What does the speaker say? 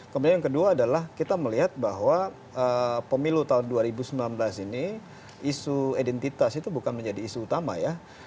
kemudian yang kedua adalah kita melihat bahwa pemilu tahun dua ribu sembilan belas ini isu identitas itu bukan menjadi isu utama ya